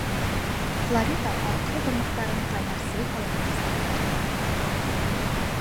- Флорида аҡһыл бармаҡтарын ҡайнар сәй һалынған стаканға йылытты.